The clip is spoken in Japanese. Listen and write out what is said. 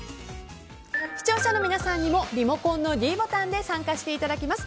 視聴者の皆さんにもリモコンのｄボタンで参加していただきます。